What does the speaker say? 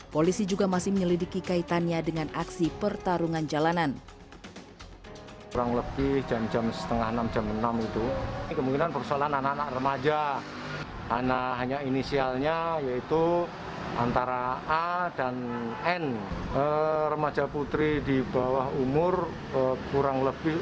polisi juga masih menyelidiki kaitannya dengan aksi pertarungan jalanan